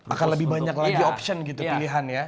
akan lebih banyak lagi option gitu pilihan ya